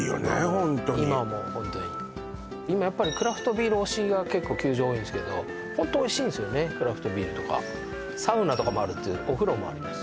ホントに今もうホントに今やっぱりクラフトビール推しが結構球場多いんですけどホントおいしいんですよねクラフトビールとかサウナとかもあるっていうお風呂もあります